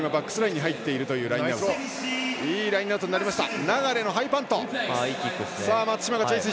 いいラインアウトになりました。